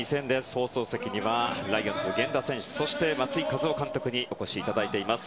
放送席にはライオンズの源田選手そして松井稼頭央監督にお越しいただいています。